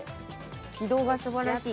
軌道が素晴らしい。